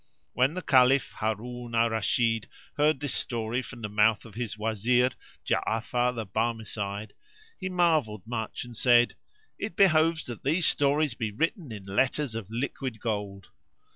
When the Caliph Harun al Rashid heard this story from the mouth of his Wazir, Ja'afar the Barmecide, he marvelled much and said, "It behoves that these stories be written in letters of liquid gold."